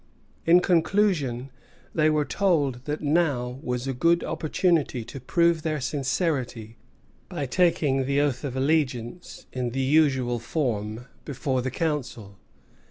In conclusion, they were told that now was a good opportunity to prove their sincerity by taking the oath of allegiance, in the usual form, before the Council.